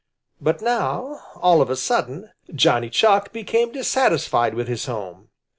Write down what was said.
But now, all of a sudden, Johnny Chuck became dissatisfied with his home.